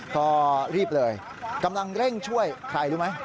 ก็รีบเลยกำลังเร่งช่วยใครรู้ไหม